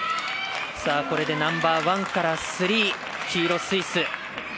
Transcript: これでナンバーワンからスリー黄色、スイス。